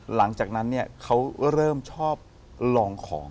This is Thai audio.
หลังจากนั้นเขาเริ่มชอบลองของ